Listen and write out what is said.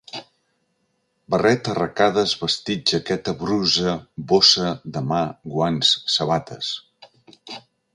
Barret arracades vestit jaqueta brusa bossa de mà guants sabates.